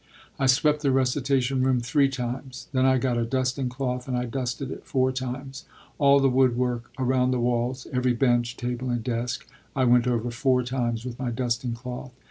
I swept the recitation room three times. Then I got a dusting cloth and I dusted it four times. All the woodwork around the walls, every bench, table, and desk, I went over four times with my dusting cloth.